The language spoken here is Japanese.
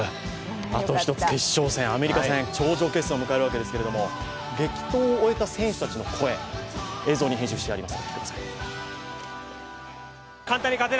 あと１つ決勝戦、アメリカ戦、頂上決戦を迎えるわけですけれども、激闘を終えた選手たちの声、映像に編集してあります。